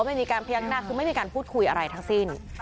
ไม่มีการพยักหน้าคือไม่มีการพูดคุยอะไรทั้งสิ้น